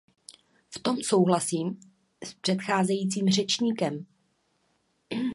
V tom souhlasím s předcházejícím řečníkem.